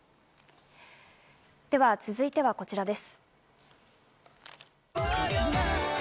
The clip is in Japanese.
では続いてはこちらです。